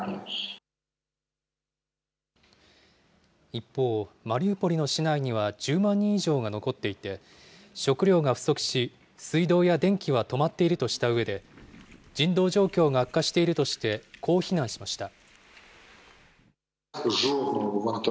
一方、マリウポリの市内には、１０万人以上が残っていて、食料が不足し、水道や電気は止まっているとしたうえで、人道状況が悪化しているとして、こう非難しました。